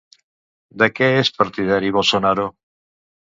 De què és partidari Bolsonaro?